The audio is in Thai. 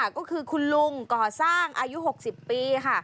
ก็คือคุณลุงก่อสร้างอายุ๖๐ปีค่ะ